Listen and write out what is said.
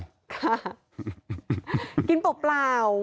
ค่ะกินเปล่า